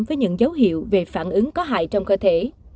với những dấu hiệu về phản ứng có hại trong cơ thể